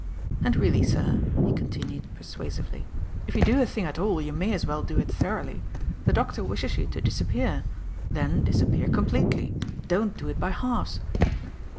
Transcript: And really, sir," he continued persuasively, "if you do a thing at all you may as well do it thoroughly. The Doctor wishes you to disappear; then disappear completely. Don't do it by halves."